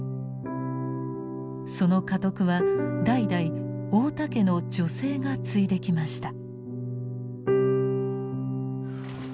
その家督は代々太田家の女性が継いできました。